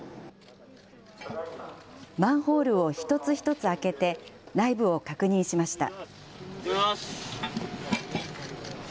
マンホールを一つ一つ開けて、内部を確認しました。